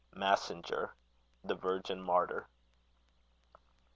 MASSINGER. The Virgin Martyr.